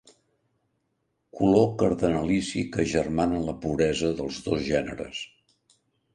Color cardenalici que agermana la puresa dels dos gèneres.